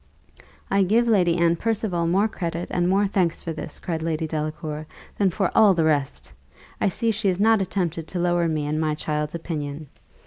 "I give Lady Anne Percival more credit and more thanks for this," cried Lady Delacour, "than for all the rest. I see she has not attempted to lower me in my child's opinion.